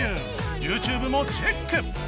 ＹｏｕＴｕｂｅ もチェック